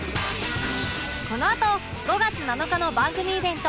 このあと５月７日の番組イベント